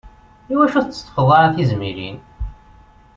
Iwacu ur tetteṭṭfeḍ ara tizmilin?